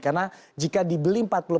karena jika dibeli